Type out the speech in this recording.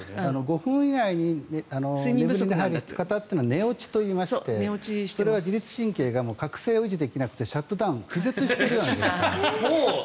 ５分以内に眠りに入る方は寝落ちといいましてそれは自律神経が覚醒を維持できなくてシャットダウン気絶してるような感じ。